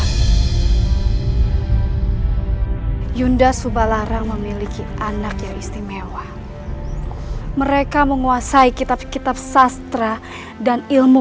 hai yunda subalara memiliki anak yang istimewa mereka menguasai kitab kitab sastra dan ilmu